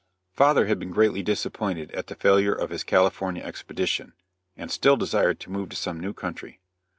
Father had been greatly disappointed at the failure of his California expedition, and still desired to move to some new country.